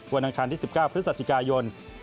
วันดังคันที่๑๙พฤศจิกายน